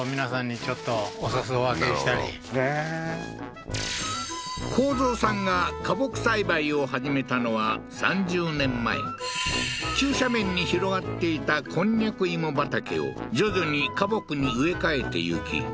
そうそうそれこそへえー幸三さんが花木栽培を始めたのは３０年前急斜面に広がっていたこんにゃく芋畑を徐々に花木に植え替えてゆき